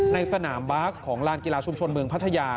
ในสนามบาสของลานกีฬาชุมชนเมืองพัทยา